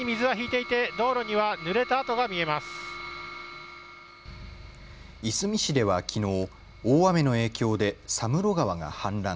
いすみ市ではきのう大雨の影響で佐室川が氾濫。